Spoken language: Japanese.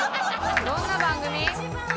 どんな番組？